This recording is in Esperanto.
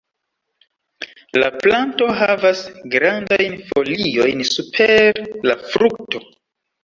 La planto havas grandajn foliojn super la frukto.